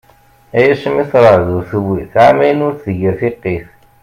Ay asmi terɛed ur tewwit, ɛamayen ur d-tegir tiqqit.